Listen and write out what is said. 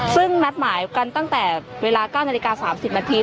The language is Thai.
ซึ่งนัดหมายกันตั้งแต่เวลา๙นาฬิกา๓๐นาที